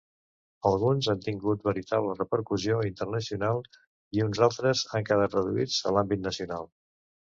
Alguns han tingut veritable repercussió internacional i uns altres han quedat reduïts a l'àmbit nacional.